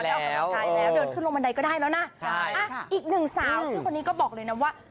แล้วเดินขึ้นลงบันไดก็ได้แล้วนะอีกหนึ่งสาวคือคนนี้ก็บอกเลยนะว่า